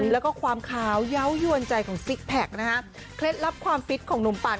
แล้วก็ความขาวเยาว์ยวนใจของซิกแพคนะฮะเคล็ดลับความฟิตของหนุ่มปั่น